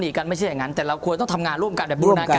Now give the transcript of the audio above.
กันไม่ใช่อย่างนั้นแต่เราควรต้องทำงานร่วมกันแบบบูรณาการ